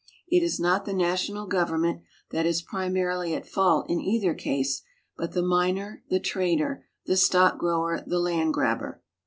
It is not the national government that is primarily at fault in either case, but the miner, the trader, the stock grower, the land grabber.